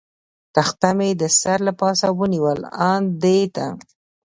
تخته مې د سر له پاسه ونیول، آن دې ته.